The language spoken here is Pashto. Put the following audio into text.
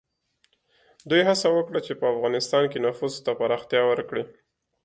دوی هڅه وکړه چې په افغانستان کې نفوذ ته پراختیا ورکړي.